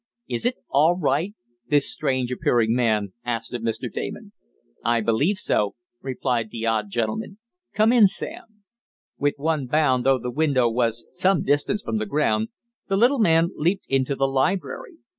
"Is it all right?" this strange appearing man asked of Mr. Damon. "I believe so," replied the odd gentleman. "Come in, Sam." With one bound, though the window was some distance from the ground, the little man leaped into the library.